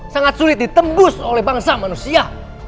sangat sulit ditembus oleh bangsa manusia